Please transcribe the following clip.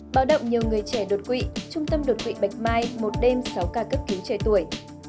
báo động nhiều người trẻ đột quỵ trung tâm đột quỵ bạch mai một đêm sáu ca cấp cứu trẻ tuổi